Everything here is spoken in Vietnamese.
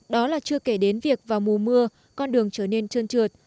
đó là chưa kể đến việc vào mùa mưa con đường trở nên trơn trượt